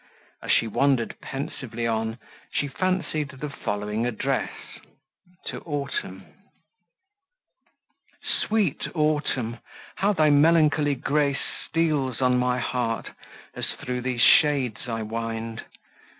As she wandered pensively on, she fancied the following address TO AUTUMN Sweet Autumn! how thy melancholy grace Steals on my heart, as through these shades I wind!